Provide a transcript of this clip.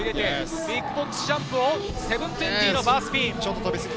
ビッグボックスジャンプを７２０のバースピン。